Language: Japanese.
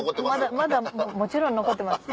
まだもちろん残ってます。